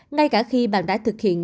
ngay cả khi bạn đã thực hiện